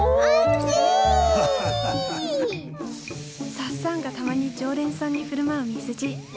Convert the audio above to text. サッサンがたまに常連さんに振る舞うみすじ。